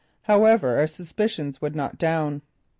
However our suspicions would not down.